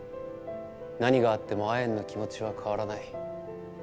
何があってもアエンの気持ちは変わらない。